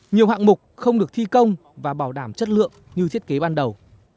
nhiều hạng mục không được thi công và bảo đảm chất lượng như thiết kế ban đầu